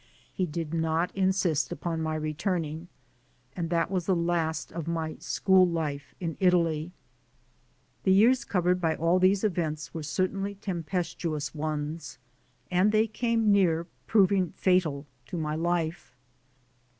He did not insist upon my returning, and that was the last of my school life in Italy. The years covered by all these events were cer tainly tempestuous ones, and they came near proy 50 THE SOUL OF AN IMMIGRANT ing fatal to my life.